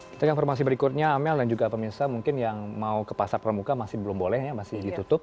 kita ke informasi berikutnya amel dan juga pemirsa mungkin yang mau ke pasar pramuka masih belum boleh ya masih ditutup